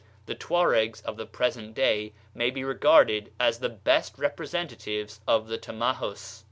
The Tuaregs of the present day may be regarded as the best representatives of the Tamahus.